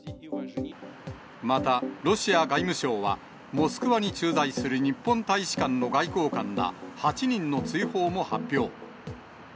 また、ロシア外務省は、モスクワに駐在する日本大使館の外交官ら８人の追放も発表。